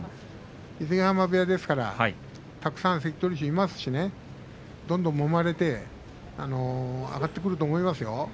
伊勢ヶ濱部屋ですからたくさん関取衆がいますしねどんどんもまれて上がってくると思いますよ。